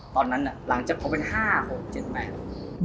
ตอนนั้นน่ะหลังจากผมเป็นห้าหกเจ็ดแปด